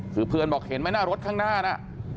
คือเพื่อนบอกเห็นไหมหน้ารถข้างหน้าน่ะ